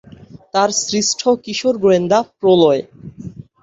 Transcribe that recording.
তাঁর সৃষ্ট কিশোর গোয়েন্দা প্রলয়।